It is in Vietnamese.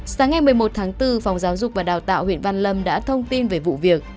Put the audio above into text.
sáng ngày một mươi một tháng bốn phòng giáo dục và đào tạo huyện văn lâm đã thông tin về vụ việc